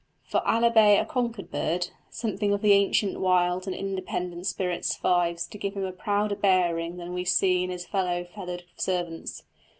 For albeit a conquered bird, something of the ancient wild and independent spirit survives to give him a prouder bearing than we see in his fellow feathered servants.